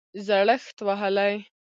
زړښت وهلی